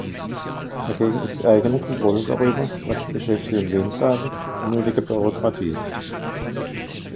Dagegen ist die eigene Kontrolle darüber, was die Beschäftigten wem sagen, unnötige Bürokratie.